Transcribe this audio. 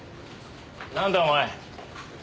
なんだ？お前。